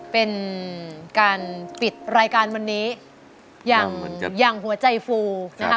เป็นการปิดรายการวันนี้อย่างอย่างหัวใจฟูนะคะ